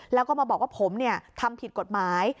แล้วก็มาบอกว่าผมทำผิดกฎหมาย